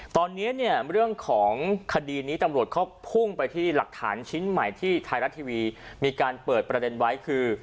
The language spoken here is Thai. ตอนนี้เนี่ยเรื่องของคดีนี้ตำรวจเขาพุ่งไปที่หลักฐานชิ้นใหม่ที่ไทยรัฐทีวีมีการเปิดประเด็นไว้คือ